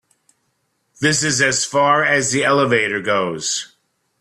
This is as far as the elevator goes.